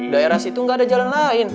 daerah situ nggak ada jalan lain